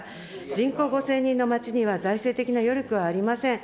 人口５０００人の町には、財政的な余力はありません。